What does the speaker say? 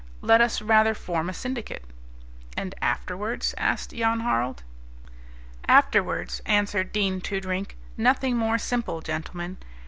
Let us rather form a syndicate." "And afterwards?" asked Jan Harald. "Afterwards," answered Dean Toodrink, "nothing more simple, gentlemen.